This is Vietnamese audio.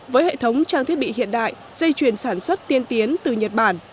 với hệ thống trang thiết bị hiện đại dây chuyền sản xuất tiên tiến từ nhật bản